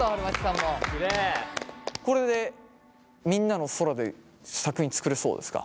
これでみんなの空で作品作れそうですか？